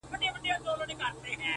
زما گلاب زما سپرليه، ستا خبر نه راځي،